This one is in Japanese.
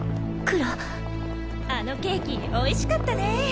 あのケーキ美味しかったね！